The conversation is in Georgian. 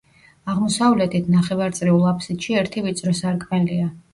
აღმოსავლეთით, ნახევარწრიულ აფსიდში ერთი ვიწრო სარკმელია.